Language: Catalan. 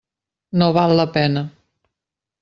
No val la pena.